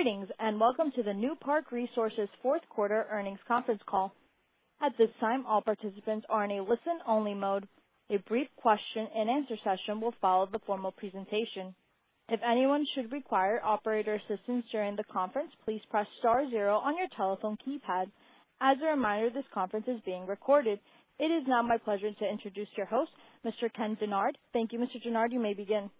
Greetings, and welcome to the Newpark Resources fourth quarter earnings conference call. At this time, all participants are in a listen-only mode. A brief question-and-answer session will follow the formal presentation. If anyone should require operator assistance during the conference, please press star zero on your telephone keypad. As a reminder, this conference is being recorded. It is now my pleasure to introduce your host, Mr. Ken Dennard. Thank you, Mr. Dennard. You may begin.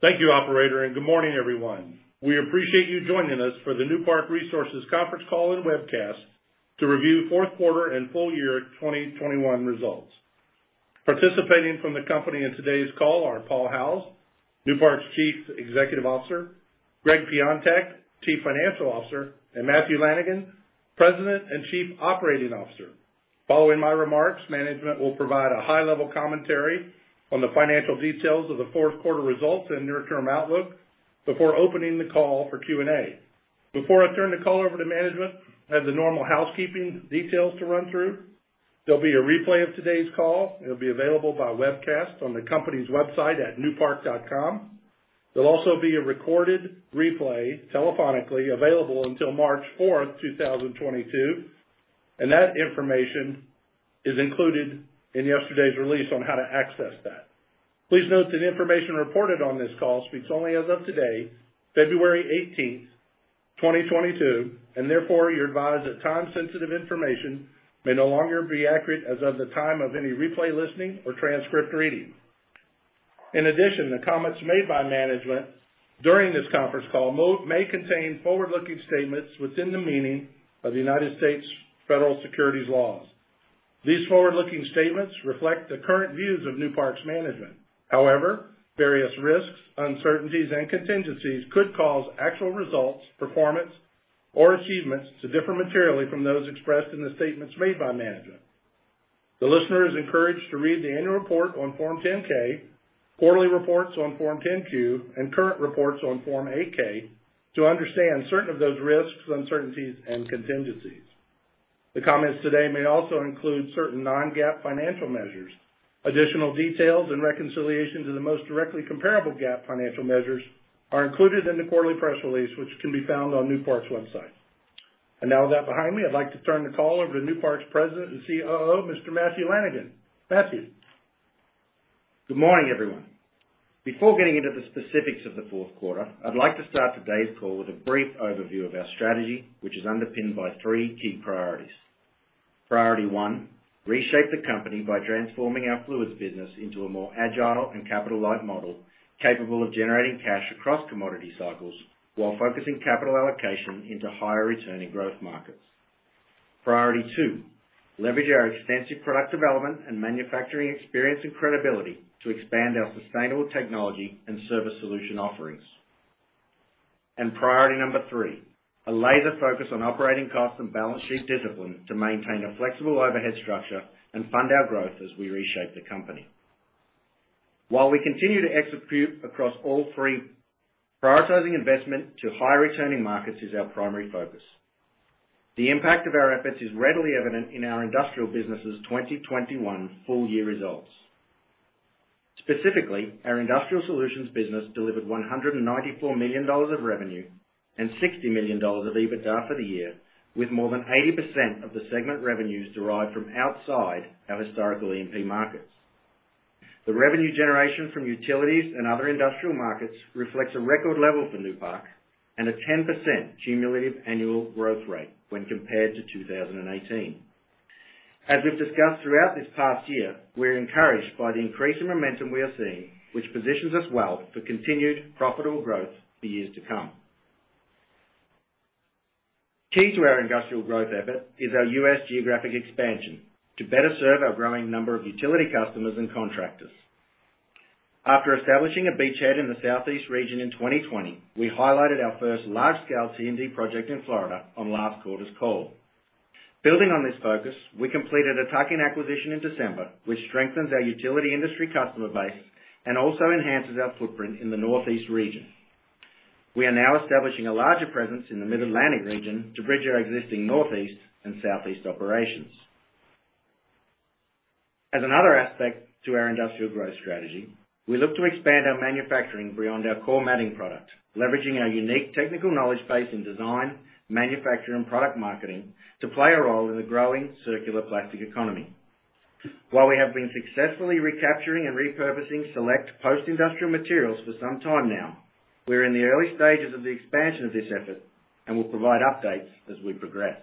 Thank you, operator, and good morning, everyone. We appreciate you joining us for the Newpark Resources conference call and webcast to review fourth quarter and full year 2021 results. Participating from the company in today's call are Paul Howes, Newpark's Chief Executive Officer, Gregg Piontek, Chief Financial Officer, and Matthew Lanigan, President and Chief Operating Officer. Following my remarks, management will provide a high-level commentary on the financial details of the fourth quarter results and near-term outlook before opening the call for Q&A. Before I turn the call over to management, I have the normal housekeeping details to run through. There'll be a replay of today's call. It'll be available by webcast on the company's website at newpark.com. There'll also be a recorded replay telephonically available until March 4, 2022, and that information is included in yesterday's release on how to access that. Please note that information reported on this call speaks only as of today, February 18, 2022, and therefore you're advised that time-sensitive information may no longer be accurate as of the time of any replay listening or transcript reading. In addition, the comments made by management during this conference call may contain forward-looking statements within the meaning of the United States federal securities laws. These forward-looking statements reflect the current views of Newpark's management. However, various risks, uncertainties, and contingencies could cause actual results, performance, or achievements to differ materially from those expressed in the statements made by management. The listener is encouraged to read the annual report on Form 10-K, quarterly reports on Form 10-Q, and current reports on Form 8-K to understand certain of those risks, uncertainties, and contingencies. The comments today may also include certain non-GAAP financial measures. Additional details and reconciliations of the most directly comparable GAAP financial measures are included in the quarterly press release, which can be found on Newpark's website. Now with that behind me, I'd like to turn the call over to Newpark's President and COO, Mr. Matthew Lanigan. Matthew. Good morning, everyone. Before getting into the specifics of the fourth quarter, I'd like to start today's call with a brief overview of our strategy, which is underpinned by three key priorities. Priority one, reshape the company by transforming our fluids business into a more agile and capital-light model capable of generating cash across commodity cycles while focusing capital allocation into higher returning growth markets. Priority two, leverage our extensive product development and manufacturing experience and credibility to expand our sustainable technology and service solution offerings. Priority number three, a laser focus on operating costs and balance sheet discipline to maintain a flexible overhead structure and fund our growth as we reshape the company. While we continue to execute across all three, prioritizing investment to higher returning markets is our primary focus. The impact of our efforts is readily evident in our industrial business' 2021 full year results. Specifically, our Industrial Solutions business delivered $194 million of revenue and $60 million of EBITDA for the year, with more than 80% of the segment revenues derived from outside our historical E&P markets. The revenue generation from utilities and other industrial markets reflects a record level for Newpark and a 10% cumulative annual growth rate when compared to 2018. As we've discussed throughout this past year, we're encouraged by the increase in momentum we are seeing, which positions us well for continued profitable growth for years to come. Key to our industrial growth effort is our U.S. geographic expansion to better serve our growing number of utility customers and contractors. After establishing a beachhead in the Southeast region in 2020, we highlighted our first large-scale T&D project in Florida on last quarter's call. Building on this focus, we completed a tuck-in acquisition in December, which strengthens our utility industry customer base and also enhances our footprint in the Northeast region. We are now establishing a larger presence in the Mid-Atlantic region to bridge our existing Northeast and Southeast operations. As another aspect to our industrial growth strategy, we look to expand our manufacturing beyond our core matting product, leveraging our unique technical knowledge base in design, manufacturing, and product marketing to play a role in the growing circular plastic economy. While we have been successfully recapturing and repurposing select post-industrial materials for some time now, we're in the early stages of the expansion of this effort and will provide updates as we progress.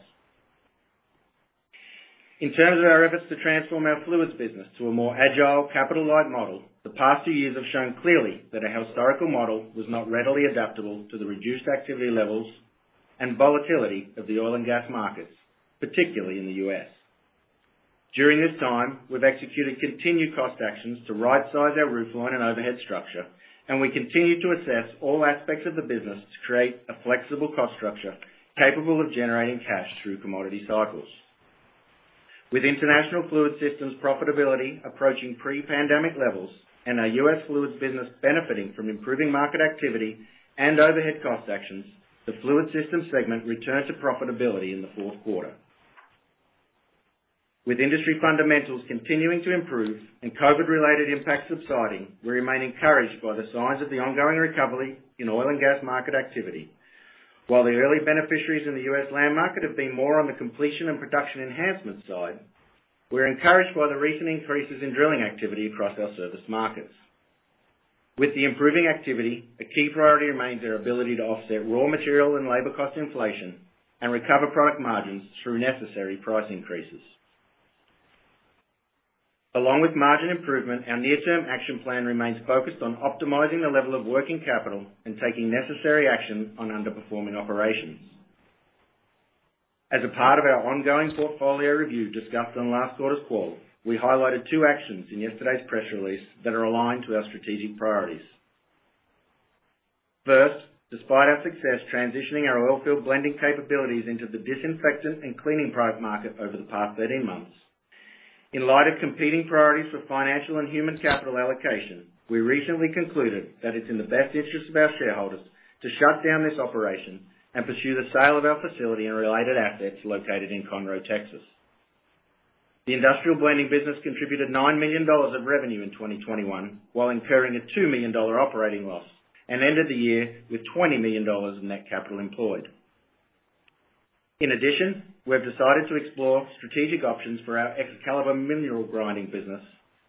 In terms of our efforts to transform our fluids business to a more agile capital-light model, the past two years have shown clearly that our historical model was not readily adaptable to the reduced activity levels and volatility of the oil and gas markets, particularly in the U.S. During this time, we've executed continued cost actions to rightsize our footprint and overhead structure, and we continue to assess all aspects of the business to create a flexible cost structure capable of generating cash through commodity cycles. With international Fluids Systems profitability approaching pre-pandemic levels and our U.S. fluids business benefiting from improving market activity and overhead cost actions, the Fluids Systems segment returned to profitability in the fourth quarter. With industry fundamentals continuing to improve and COVID related impacts subsiding, we remain encouraged by the signs of the ongoing recovery in oil and gas market activity. While the early beneficiaries in the U.S. land market have been more on the completion and production enhancement side, we're encouraged by the recent increases in drilling activity across our service markets. With the improving activity, a key priority remains our ability to offset raw material and labor cost inflation and recover product margins through necessary price increases. Along with margin improvement, our near-term action plan remains focused on optimizing the level of working capital and taking necessary action on underperforming operations. As a part of our ongoing portfolio review discussed on last quarter's call, we highlighted two actions in yesterday's press release that are aligned to our strategic priorities. First, despite our success transitioning our oil field blending capabilities into the disinfectant and cleaning product market over the past 13 months, in light of competing priorities for financial and human capital allocation, we recently concluded that it's in the best interest of our shareholders to shut down this operation and pursue the sale of our facility and related assets located in Conroe, Texas. The Industrial Blending business contributed $9 million of revenue in 2021, while incurring a $2 million operating loss, and ended the year with $20 million in net capital employed. In addition, we have decided to explore strategic options for our Excalibar mineral grinding business,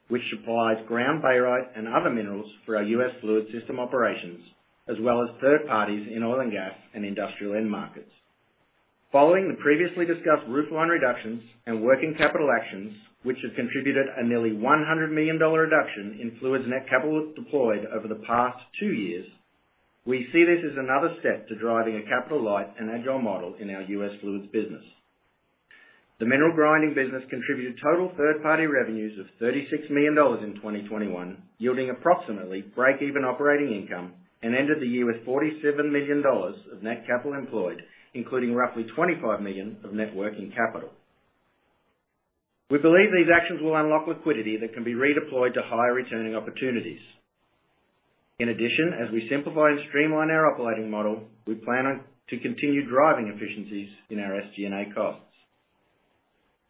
which supplies ground barite and other minerals for our U.S. Fluids Systems operations, as well as third parties in oil and gas and industrial end markets. Following the previously discussed roof line reductions and working capital actions, which have contributed a nearly $100 million reduction in fluids net capital deployed over the past two years, we see this as another step to driving a capital light and agile model in our U.S. fluids business. The mineral grinding business contributed total third-party revenues of $36 million in 2021, yielding approximately break-even operating income, and ended the year with $47 million of net capital employed, including roughly $25 million of net working capital. We believe these actions will unlock liquidity that can be redeployed to higher returning opportunities. In addition, as we simplify and streamline our operating model, we plan on to continue driving efficiencies in our SG&A costs.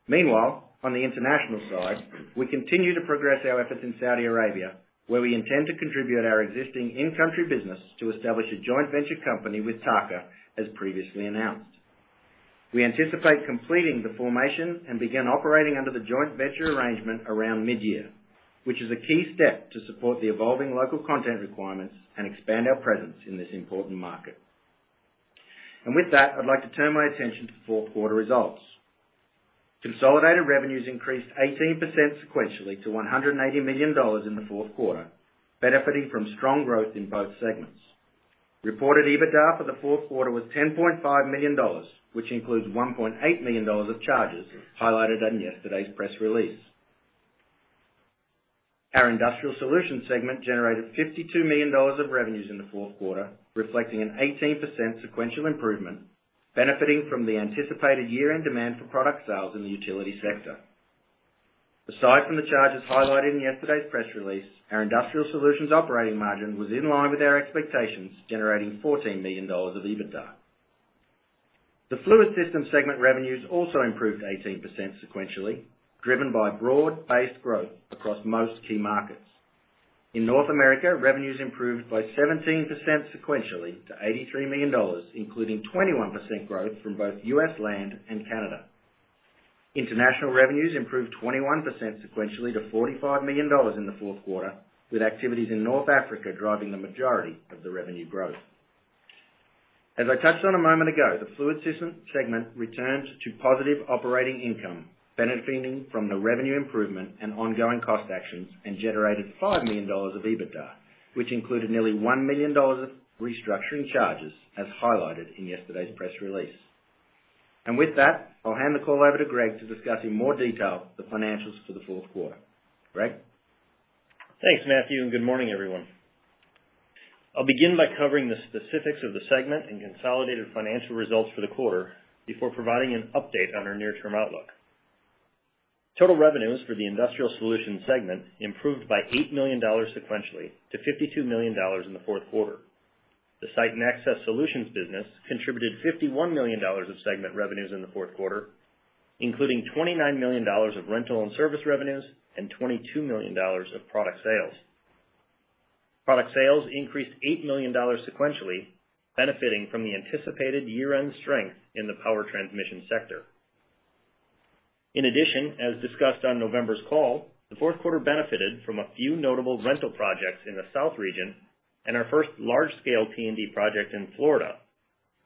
Meanwhile, on the international side, we continue to progress our efforts in Saudi Arabia, where we intend to contribute our existing in-country business to establish a joint venture company with TAQA, as previously announced. We anticipate completing the formation and begin operating under the joint venture arrangement around mid-year, which is a key step to support the evolving local content requirements and expand our presence in this important market. With that, I'd like to turn my attention to fourth quarter results. Consolidated revenues increased 18% sequentially to $180 million in the fourth quarter, benefiting from strong growth in both segments. Reported EBITDA for the fourth quarter was $10.5 million, which includes $1.8 million of charges highlighted in yesterday's press release. Our Industrial Solutions segment generated $52 million of revenues in the fourth quarter, reflecting an 18% sequential improvement, benefiting from the anticipated year-end demand for product sales in the utility sector. Aside from the charges highlighted in yesterday's press release, our Industrial Solutions operating margin was in line with our expectations, generating $14 million of EBITDA. The Fluids Systems segment revenues also improved 18% sequentially, driven by broad-based growth across most key markets. In North America, revenues improved by 17% sequentially to $83 million, including 21% growth from both U.S. land and Canada. International revenues improved 21% sequentially to $45 million in the fourth quarter, with activities in North Africa driving the majority of the revenue growth. As I touched on a moment ago, the Fluids Systems segment returned to positive operating income, benefiting from the revenue improvement and ongoing cost actions, and generated $5 million of EBITDA, which included nearly $1 million of restructuring charges, as highlighted in yesterday's press release. With that, I'll hand the call over to Gregg to discuss in more detail the financials for the fourth quarter. Gregg? Thanks, Matthew, and good morning, everyone. I'll begin by covering the specifics of the segment and consolidated financial results for the quarter before providing an update on our near-term outlook. Total revenues for the Industrial Solutions segment improved by $8 million sequentially to $52 million in the fourth quarter. The Site and Access Solutions business contributed $51 million of segment revenues in the fourth quarter, including $29 million of rental and service revenues and $22 million of product sales. Product sales increased $8 million sequentially, benefiting from the anticipated year-end strength in the power transmission sector. In addition, as discussed on November's call, the fourth quarter benefited from a few notable rental projects in the South region and our first large-scale T&D project in Florida,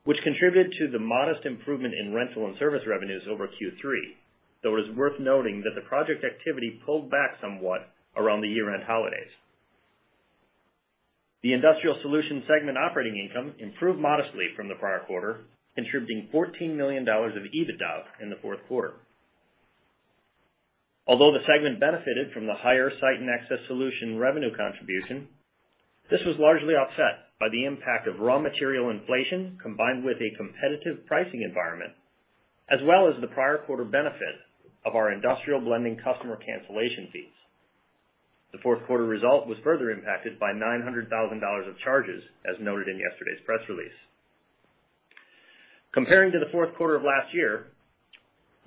which contributed to the modest improvement in rental and service revenues over Q3. Though it is worth noting that the project activity pulled back somewhat around the year-end holidays. The Industrial Solutions segment operating income improved modestly from the prior quarter, contributing $14 million of EBITDA in the fourth quarter. Although the segment benefited from the higher Site and Access Solutions revenue contribution, this was largely offset by the impact of raw material inflation combined with a competitive pricing environment, as well as the prior quarter benefit of our Industrial Blending customer cancellation fees. The fourth quarter result was further impacted by $900,000 of charges, as noted in yesterday's press release. Comparing to the fourth quarter of last year,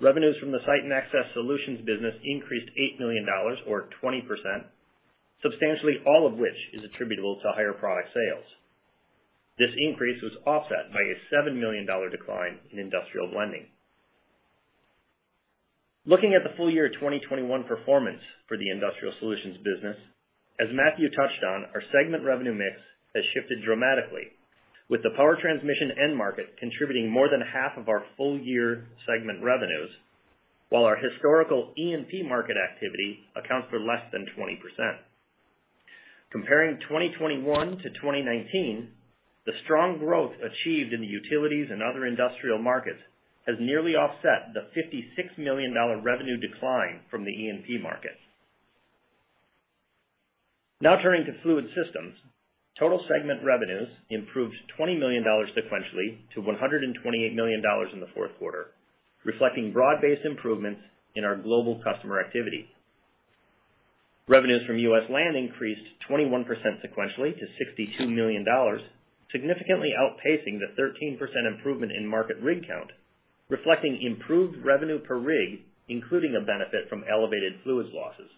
revenues from the Site and Access Solutions business increased $8 million or 20%, substantially all of which is attributable to higher product sales. This increase was offset by a $7 million decline in Industrial Blending. Looking at the full year 2021 performance for the Industrial Solutions business, as Matthew touched on, our segment revenue mix has shifted dramatically with the power transmission end market contributing more than half of our full year segment revenues, while our historical E&P market activity accounts for less than 20%. Comparing 2021 to 2019, the strong growth achieved in the utilities and other industrial markets has nearly offset the $56 million revenue decline from the E&P market. Now turning to Fluids Systems. Total segment revenues improved $20 million sequentially to $128 million in the fourth quarter, reflecting broad-based improvements in our global customer activity. Revenues from U.S. land increased 21% sequentially to $62 million, significantly outpacing the 13% improvement in market rig count, reflecting improved revenue per rig, including a benefit from elevated fluids losses.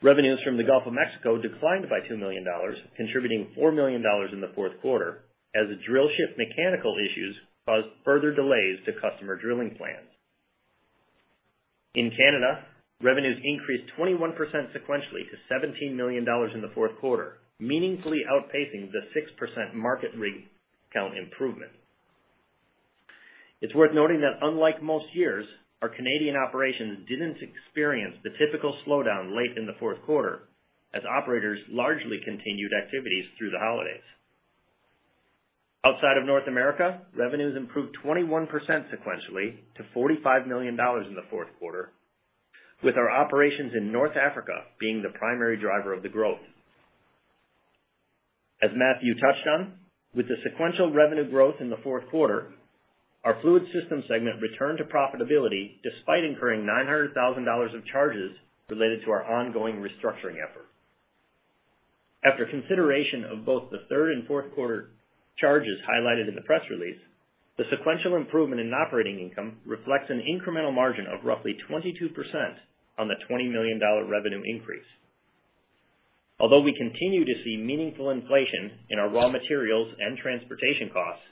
Revenues from the Gulf of Mexico declined by $2 million, contributing $4 million in the fourth quarter as the drillship mechanical issues caused further delays to customer drilling plans. In Canada, revenues increased 21% sequentially to $17 million in the fourth quarter, meaningfully outpacing the 6% market rig count improvement. It's worth noting that unlike most years, our Canadian operations didn't experience the typical slowdown late in the fourth quarter as operators largely continued activities through the holidays. Outside of North America, revenues improved 21% sequentially to $45 million in the fourth quarter, with our operations in North Africa being the primary driver of the growth. As Matthew touched on, with the sequential revenue growth in the fourth quarter, our Fluids Systems segment returned to profitability despite incurring $900,000 of charges related to our ongoing restructuring effort. After consideration of both the third and fourth quarter charges highlighted in the press release, the sequential improvement in operating income reflects an incremental margin of roughly 22% on the $20 million revenue increase. Although we continue to see meaningful inflation in our raw materials and transportation costs,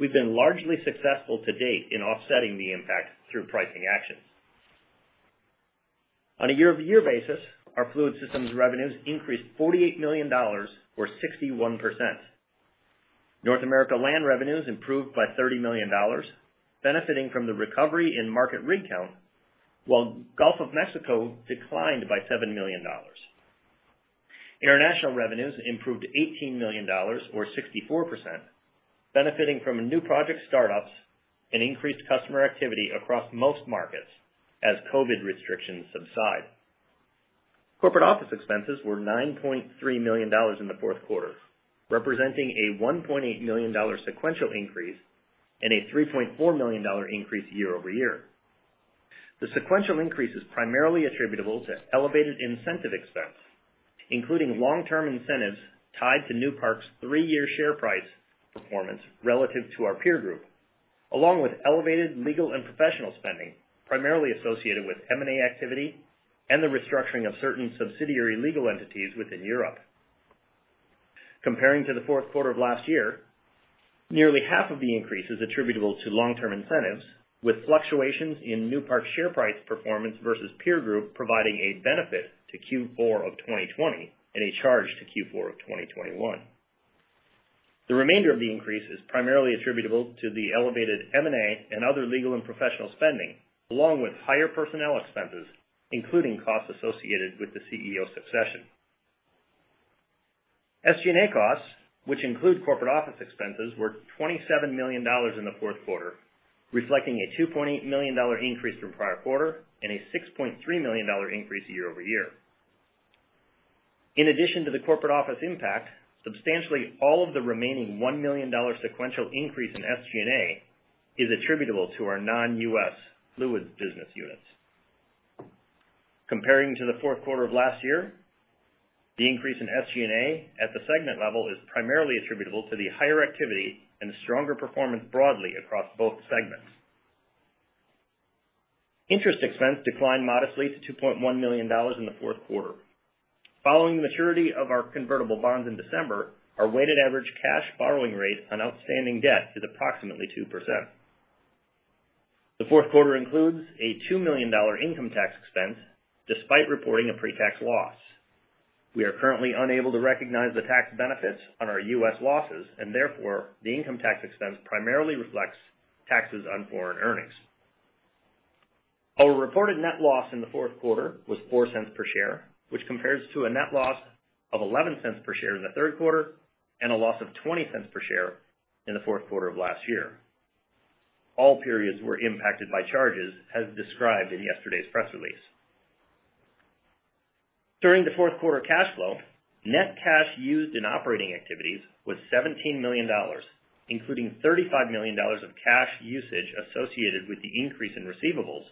we've been largely successful to date in offsetting the impact through pricing actions. On a year-over-year basis, our Fluids Systems revenues increased $48 million or 61%. North America Land revenues improved by $30 million benefiting from the recovery in market rig count, while Gulf of Mexico declined by $7 million. International revenues improved $18 million or 64%, benefiting from new project startups and increased customer activity across most markets as COVID restrictions subside. Corporate office expenses were $9.3 million in the fourth quarter, representing a $1.8 million sequential increase and a $3.4 million increase year-over-year. The sequential increase is primarily attributable to elevated incentive expense, including long-term incentives tied to Newpark's three-year share price performance relative to our peer group, along with elevated legal and professional spending, primarily associated with M&A activity and the restructuring of certain subsidiary legal entities within Europe. Comparing to the fourth quarter of last year, nearly half of the increase is attributable to long-term incentives, with fluctuations in Newpark's share price performance versus peer group providing a benefit to Q4 of 2020 and a charge to Q4 of 2021. The remainder of the increase is primarily attributable to the elevated M&A and other legal and professional spending, along with higher personnel expenses, including costs associated with the CEO succession. SG&A costs, which include corporate office expenses, were $27 million in the fourth quarter, reflecting a $2.8 million increase from prior quarter and a $6.3 million increase year-over-year. In addition to the corporate office impact, substantially all of the remaining $1 million sequential increase in SG&A is attributable to our non-U.S. fluids business units. Comparing to the fourth quarter of last year, the increase in SG&A at the segment level is primarily attributable to the higher activity and stronger performance broadly across both segments. Interest expense declined modestly to $2.1 million in the fourth quarter. Following the maturity of our convertible bonds in December, our weighted average cash borrowing rate on outstanding debt is approximately 2%. The fourth quarter includes a $2 million income tax expense despite reporting a pre-tax loss. We are currently unable to recognize the tax benefits on our U.S. losses and therefore, the income tax expense primarily reflects taxes on foreign earnings. Our reported net loss in the fourth quarter was $0.04 per share, which compares to a net loss of $0.11 per share in the third quarter and a loss of $0.20 per share in the fourth quarter of last year. All periods were impacted by charges, as described in yesterday's press release. During the fourth quarter cash flow, net cash used in operating activities was $17 million, including $35 million of cash usage associated with the increase in receivables,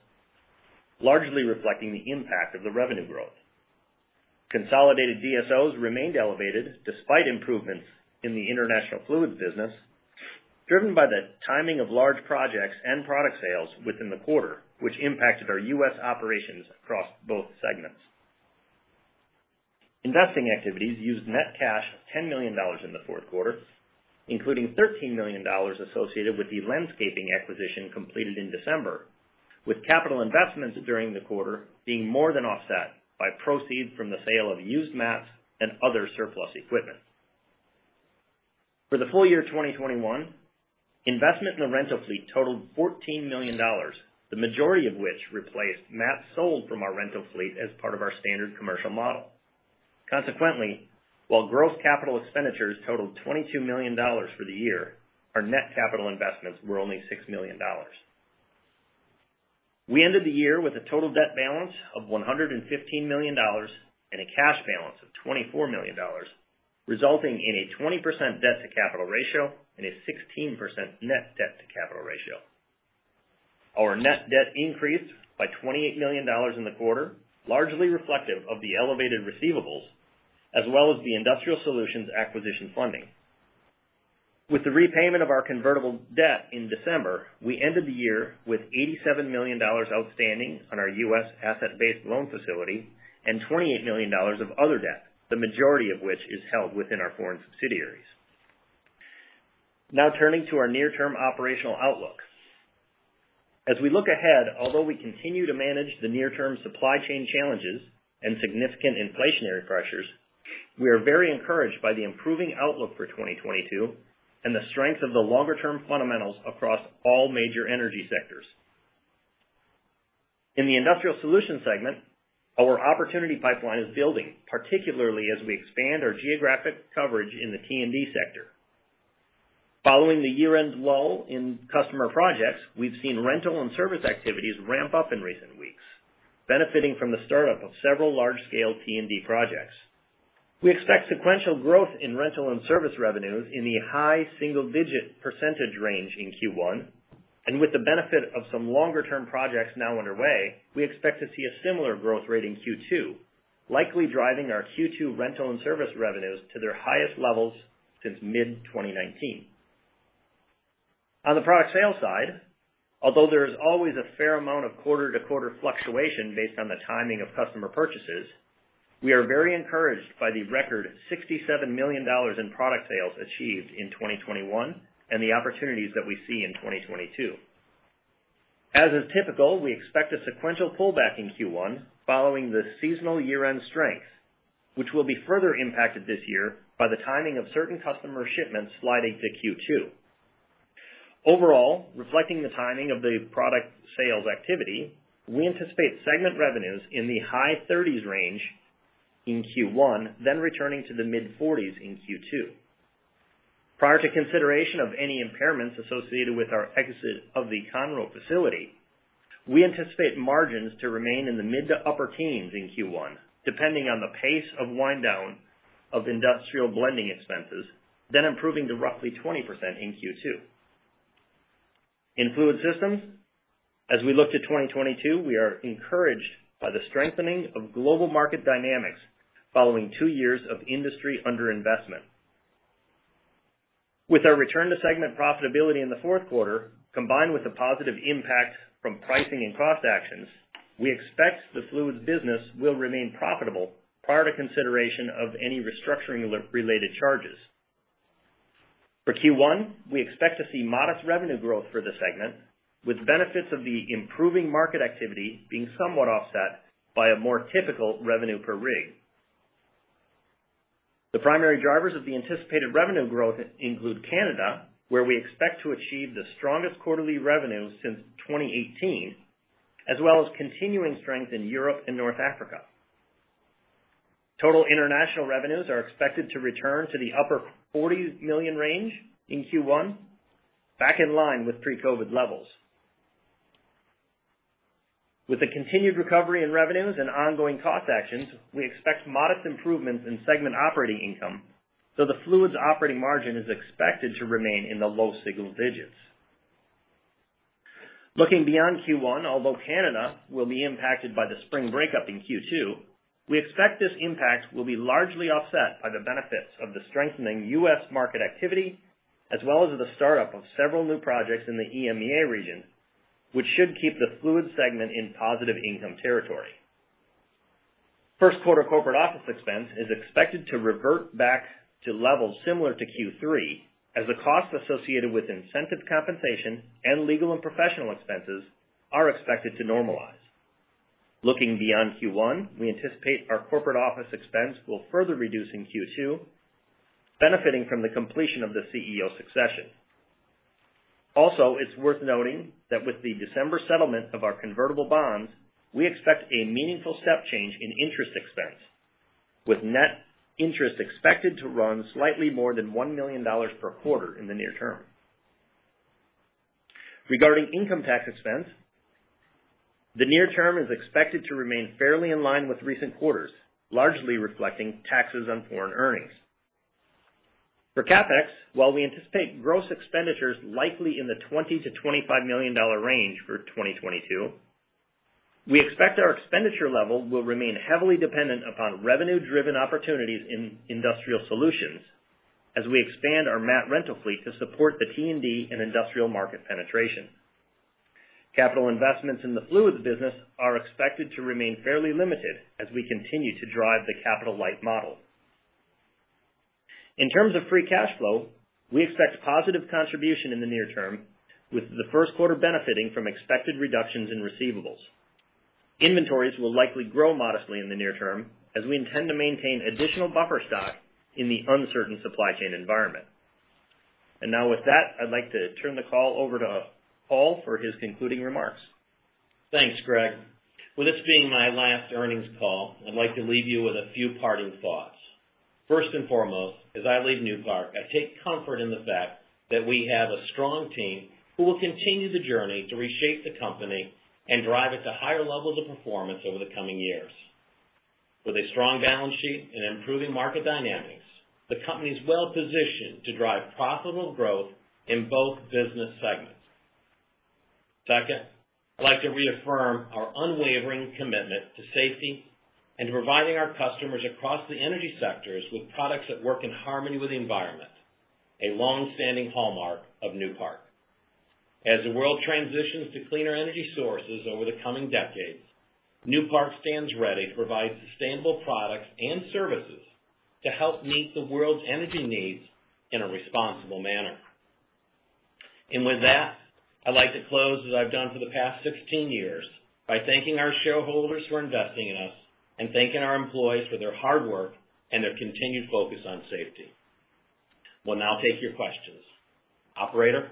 largely reflecting the impact of the revenue growth. Consolidated DSOs remained elevated despite improvements in the international fluids business, driven by the timing of large projects and product sales within the quarter, which impacted our U.S. operations across both segments. Investing activities used net cash of $10 million in the fourth quarter, including $13 million associated with the Lentzcaping acquisition completed in December, with capital investments during the quarter being more than offset by proceeds from the sale of used mats and other surplus equipment. For the full year 2021, investment in the rental fleet totaled $14 million, the majority of which replaced mats sold from our rental fleet as part of our standard commercial model. Consequently, while gross capital expenditures totaled $22 million for the year, our net capital investments were only $6 million. We ended the year with a total debt balance of $115 million and a cash balance of $24 million, resulting in a 20% debt-to-capital ratio and a 16% net debt-to-capital ratio. Our net debt increased by $28 million in the quarter, largely reflective of the elevated receivables as well as the Industrial Solutions acquisition funding. With the repayment of our convertible debt in December, we ended the year with $87 million outstanding on our U.S. asset-based loan facility and $28 million of other debt, the majority of which is held within our foreign subsidiaries. Now turning to our near-term operational outlook. As we look ahead, although we continue to manage the near-term supply chain challenges and significant inflationary pressures, we are very encouraged by the improving outlook for 2022 and the strength of the longer-term fundamentals across all major energy sectors. In the Industrial Solutions segment, our opportunity pipeline is building, particularly as we expand our geographic coverage in the T&D sector. Following the year-end lull in customer projects, we've seen rental and service activities ramp up in recent weeks, benefiting from the startup of several large-scale T&D projects. We expect sequential growth in rental and service revenues in the high single-digit % range in Q1. With the benefit of some longer-term projects now underway, we expect to see a similar growth rate in Q2, likely driving our Q2 rental and service revenues to their highest levels since mid-2019. On the product sales side, although there is always a fair amount of quarter-to-quarter fluctuation based on the timing of customer purchases, we are very encouraged by the record $67 million in product sales achieved in 2021 and the opportunities that we see in 2022. As is typical, we expect a sequential pullback in Q1 following the seasonal year-end strength, which will be further impacted this year by the timing of certain customer shipments sliding to Q2. Overall, reflecting the timing of the product sales activity, we anticipate segment revenues in the high 30s range in Q1, then returning to the mid-40s in Q2. Prior to consideration of any impairments associated with our exit of the Conroe facility, we anticipate margins to remain in the mid- to upper teens % in Q1, depending on the pace of wind down of Industrial Blending expenses, then improving to roughly 20% in Q2. In Fluids Systems, as we look to 2022, we are encouraged by the strengthening of global market dynamics following two years of industry under-investment. With our return to segment profitability in the fourth quarter, combined with the positive impact from pricing and cost actions, we expect the fluids business will remain profitable prior to consideration of any restructuring-related charges. For Q1, we expect to see modest revenue growth for the segment, with benefits of the improving market activity being somewhat offset by a more typical revenue per rig. The primary drivers of the anticipated revenue growth include Canada, where we expect to achieve the strongest quarterly revenue since 2018, as well as continuing strength in Europe and North Africa. Total international revenues are expected to return to the upper $40 million range in Q1, back in line with pre-COVID levels. With the continued recovery in revenues and ongoing cost actions, we expect modest improvements in segment operating income, though the fluids operating margin is expected to remain in the low single digits %. Looking beyond Q1, although Canada will be impacted by the spring breakup in Q2, we expect this impact will be largely offset by the benefits of the strengthening U.S. market activity as well as the startup of several new projects in the EMEA region, which should keep the fluid segment in positive income territory. First quarter corporate office expense is expected to revert back to levels similar to Q3 as the costs associated with incentive compensation and legal and professional expenses are expected to normalize. Looking beyond Q1, we anticipate our corporate office expense will further reduce in Q2, benefiting from the completion of the CEO succession. Also, it's worth noting that with the December settlement of our convertible bonds, we expect a meaningful step change in interest expense, with net interest expected to run slightly more than $1 million per quarter in the near term. Regarding income tax expense, the near term is expected to remain fairly in line with recent quarters, largely reflecting taxes on foreign earnings. For CapEx, while we anticipate gross expenditures likely in the $20 million-$25 million range for 2022, we expect our expenditure level will remain heavily dependent upon revenue driven opportunities in Industrial Solutions as we expand our mat rental fleet to support the T&D and industrial market penetration. Capital investments in the Fluids Systems are expected to remain fairly limited as we continue to drive the capital light model. In terms of free cash flow, we expect positive contribution in the near term, with the first quarter benefiting from expected reductions in receivables. Inventories will likely grow modestly in the near term as we intend to maintain additional buffer stock in the uncertain supply chain environment. Now with that, I'd like to turn the call over to Paul for his concluding remarks. Thanks, Greg. With this being my last earnings call, I'd like to leave you with a few parting thoughts. First and foremost, as I leave Newpark, I take comfort in the fact that we have a strong team who will continue the journey to reshape the company and drive it to higher levels of performance over the coming years. With a strong balance sheet and improving market dynamics, the company is well positioned to drive profitable growth in both business segments. Second, I'd like to reaffirm our unwavering commitment to safety and to providing our customers across the energy sectors with products that work in harmony with the environment, a long-standing hallmark of Newpark. As the world transitions to cleaner energy sources over the coming decades, Newpark stands ready to provide sustainable products and services to help meet the world's energy needs in a responsible manner. With that, I'd like to close as I've done for the past 16 years by thanking our shareholders for investing in us and thanking our employees for their hard work and their continued focus on safety. We'll now take your questions. Operator?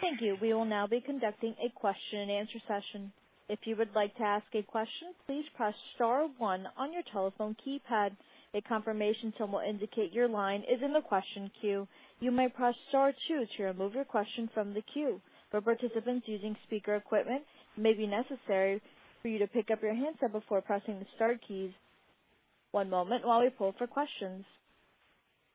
Thank you. We will now be conducting a question and answer session. If you would like to ask a question, please press star one on your telephone keypad. A confirmation tone will indicate your line is in the question queue. You may press star two to remove your question from the queue. For participants using speaker equipment, it may be necessary for you to pick up your handset before pressing the star keys. One moment while we poll for questions.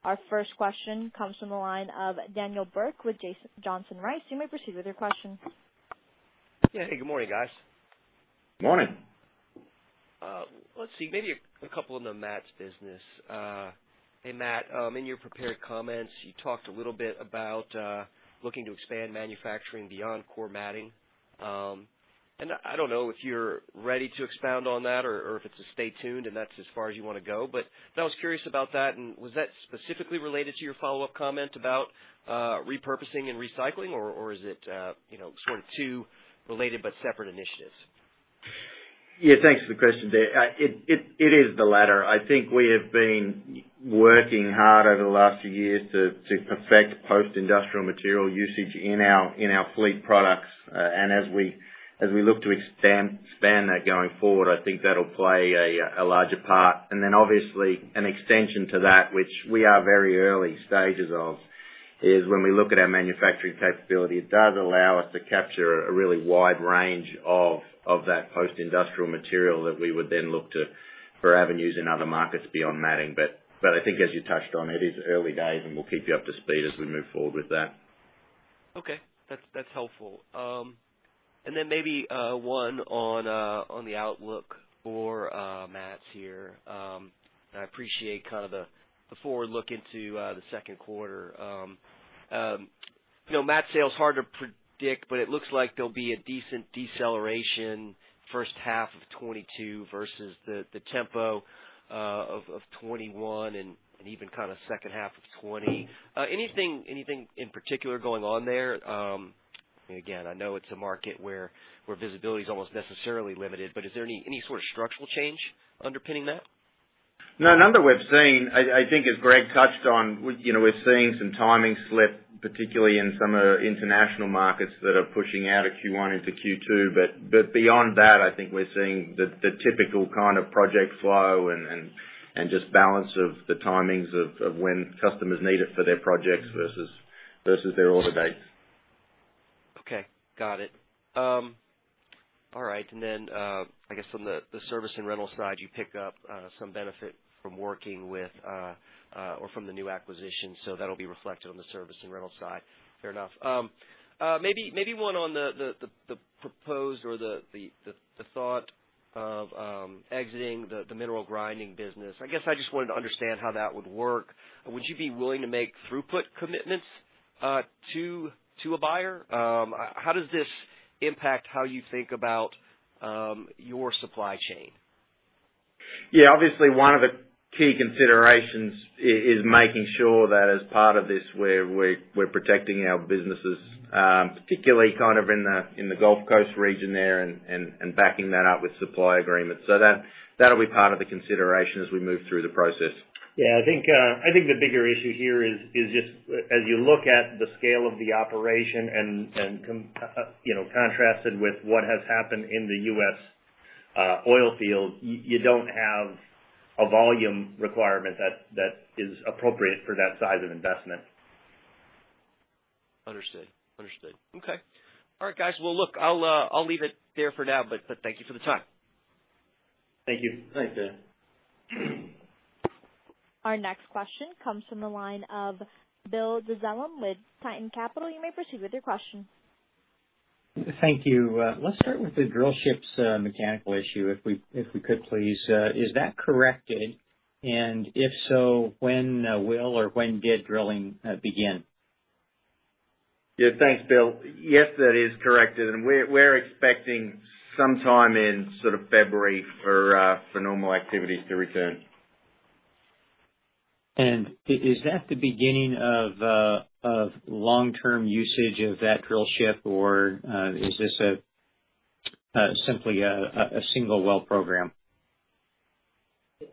Our first question comes from the line of Daniel Burke with Johnson Rice. You may proceed with your question. Yeah. Good morning, guys. Morning. Let's see, maybe a couple on the mats business. Hey, Matt, in your prepared comments, you talked a little bit about looking to expand manufacturing beyond core matting. I don't know if you're ready to expound on that or if it's a stay tuned and that's as far as you wanna go, but I was curious about that. Was that specifically related to your follow-up comment about repurposing and recycling or is it you know, sort of two related but separate initiatives? Yeah, thanks for the question, Dan. It is the latter. I think we have been working hard over the last few years to perfect post-industrial material usage in our fleet products. As we look to extend, expand that going forward, I think that'll play a larger part. Then obviously an extension to that, which we are very early stages of, is when we look at our manufacturing capability. It does allow us to capture a really wide range of that post-industrial material that we would then look to for avenues in other markets beyond matting. I think as you touched on, it is early days, and we'll keep you up to speed as we move forward with that. Okay. That's helpful. Then maybe one on the outlook for Mats here. I appreciate kind of the forward look into the second quarter. You know, mat sales hard to predict, but it looks like there'll be a decent deceleration first half of 2022 versus the tempo of 2021 and even kind of second half of 2020. Anything in particular going on there? Again, I know it's a market where visibility is almost necessarily limited, but is there any sort of structural change underpinning that? No, none that we've seen. I think as Greg touched on, you know, we're seeing some timing slip, particularly in some of the international markets that are pushing out of Q1 into Q2. Beyond that, I think we're seeing the typical kind of project flow and just balance of the timings of when customers need it for their projects versus their order dates. Okay. Got it. All right. Then I guess on the service and rental side, you picked up some benefit from working with or from the new acquisition, so that'll be reflected on the service and rental side. Fair enough. Maybe one on the proposed or the thought of exiting the mineral grinding business. I guess I just wanted to understand how that would work. Would you be willing to make throughput commitments to a buyer? How does this impact how you think about your supply chain? Yeah, obviously one of the key considerations is making sure that as part of this, we're protecting our businesses, particularly kind of in the Gulf Coast region there and backing that up with supply agreements. That'll be part of the consideration as we move through the process. Yeah, I think the bigger issue here is just as you look at the scale of the operation and, you know, contrasted with what has happened in the U.S. oil field, you don't have a volume requirement that is appropriate for that size of investment. Understood. Okay. All right, guys. Well, look, I'll leave it there for now, but thank you for the time. Thank you. Thanks, Dan. Our next question comes from the line of Bill Dezellem with Tieton Capital Management. You may proceed with your question. Thank you. Let's start with the drill ships mechanical issue, if we could please. Is that corrected? If so, when will or when did drilling begin? Yeah, thanks, Bill. Yes, that is corrected. We're expecting some time in sort of February for normal activities to return. Is that the beginning of long-term usage of that drill ship or is this simply a single well program?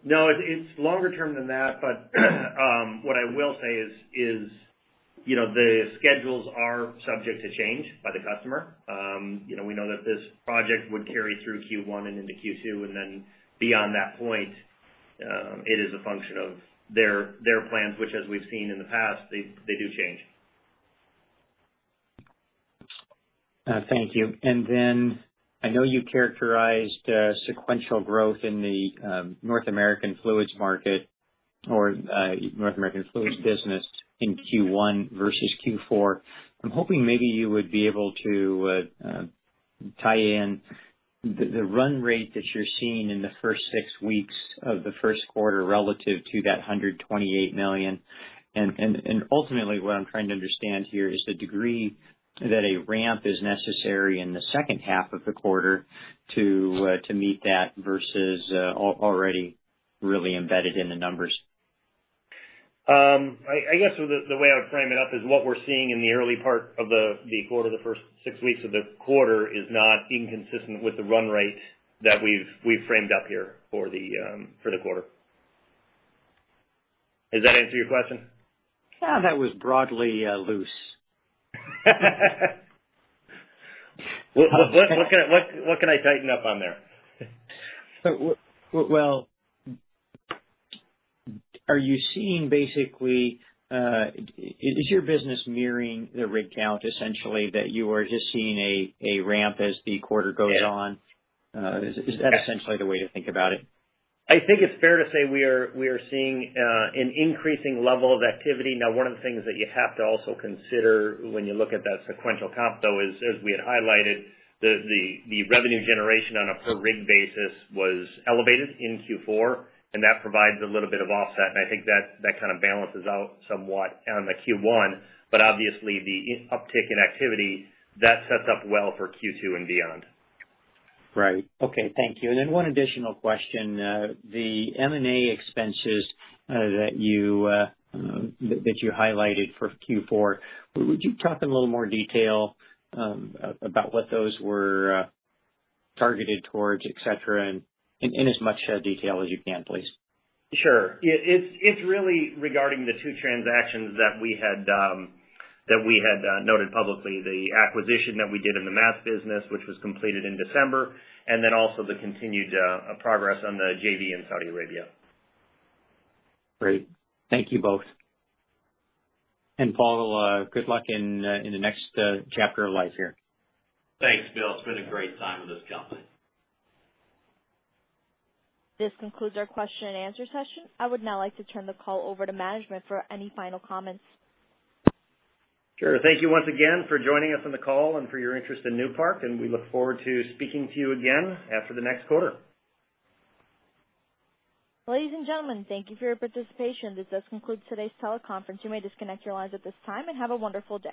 No, it's longer term than that. What I will say is, you know, the schedules are subject to change by the customer. You know, we know that this project would carry through Q1 and into Q2, and then beyond that point, it is a function of their plans, which as we've seen in the past, they do change. Thank you. I know you characterized sequential growth in the North American fluids market or North American fluids business in Q1 versus Q4. I'm hoping maybe you would be able to tie in the run rate that you're seeing in the first six weeks of the first quarter relative to that $128 million. Ultimately, what I'm trying to understand here is the degree that a ramp is necessary in the second half of the quarter to meet that versus already really embedded in the numbers. I guess the way I would frame it up is what we're seeing in the early part of the quarter, the first six weeks of the quarter, is not inconsistent with the run rate that we've framed up here for the quarter. Does that answer your question? That was broadly, loose. What can I tighten up on there? Well, are you seeing basically, is your business mirroring the rig count, essentially, that you are just seeing a ramp as the quarter goes on? Yes. Is that essentially the way to think about it? I think it's fair to say we are seeing an increasing level of activity. Now, one of the things that you have to also consider when you look at that sequential comp, though, is, as we had highlighted, the revenue generation on a per rig basis was elevated in Q4, and that provides a little bit of offset, and I think that kind of balances out somewhat on the Q1. Obviously the uptick in activity, that sets up well for Q2 and beyond. Right. Okay. Thank you. One additional question. The M&A expenses that you highlighted for Q4, would you talk in a little more detail about what those were targeted towards, et cetera, and in as much detail as you can please? Sure. It's really regarding the two transactions that we had noted publicly, the acquisition that we did in the Mats business, which was completed in December, and then also the continued progress on the JV in Saudi Arabia. Great. Thank you both. Paul, good luck in the next chapter of life here. Thanks, Bill. It's been a great time with this company. This concludes our question and answer session. I would now like to turn the call over to management for any final comments. Sure. Thank you once again for joining us on the call and for your interest in Newpark, and we look forward to speaking to you again after the next quarter. Ladies and gentlemen, thank you for your participation. This does conclude today's teleconference. You may disconnect your lines at this time and have a wonderful day.